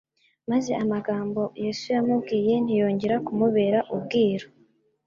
maze amagambo Yesu yamubwiye ntiyongera kumubera ubwiru.